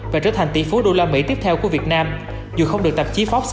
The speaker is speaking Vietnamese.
và trở thành tỷ phú đô la mỹ tiếp theo của việt nam dù không được tạp chí fox